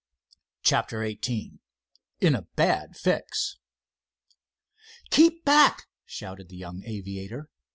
CHAPTER XVIII IN A BAD FIX "Keep back!" shouted the young aviator.